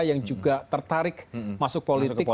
yang juga tertarik masuk politik